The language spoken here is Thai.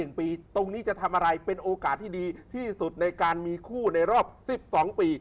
ตรงนี้จะทำอะไรเป็นโอกาสที่ดีที่สุดในการมีคู่ในรอบ๑๒ปี